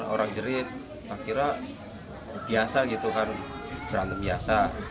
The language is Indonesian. orang jerit akhirnya biasa gitu kan berantem biasa